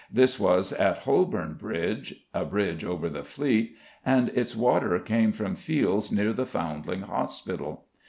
This was at Holborn Bridge (a bridge over the Fleet), and its water came from fields near the Foundling Hospital.